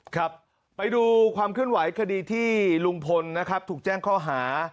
ครับไปดูความเคลื่อนไหวคดีที่ลุงพลนะครับถูกแจ้งข้อหา